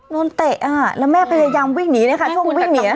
เตะแล้วแม่พยายามวิ่งหนีนะคะช่วงวิ่งหนี